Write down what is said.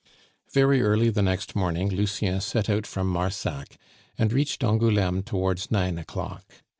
Very early the next morning Lucien set out from Marsac, and reached Angouleme towards nine o'clock.